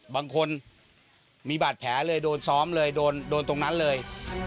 บางคนมีบาดแผลเลยโดนซ้อมเลยโดนตรงนั้นเลย